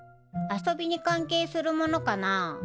あそびにかんけいするものかな？